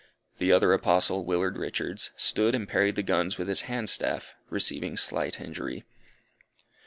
The other Apostle, Willard Richards, stood and parried the guns with his hand staff, receiving slight injury.